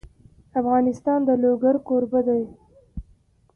افغانستان د لوگر کوربه دی.